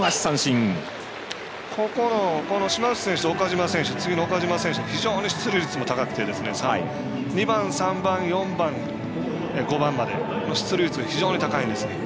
ここの島内選手と岡島選手は非常に出塁率も高くて２番、３番、４番、５番までの出塁率が非常に高いんですね。